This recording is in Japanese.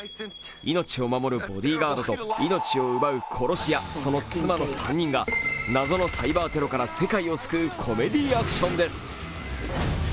命を守るボディーガードと命を奪う殺し屋、その妻の３人が謎のサイバーテロから世界を救うコメディーアクションです。